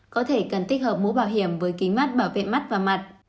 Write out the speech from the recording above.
có thể cần tích hợp mũ bảo hiểm với kính mắt bảo vệ mắt và mặt